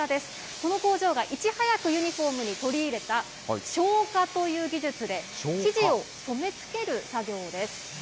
この工場がいち早くユニホームに取り入れた、昇華という技術で、生地を染め付ける作業です。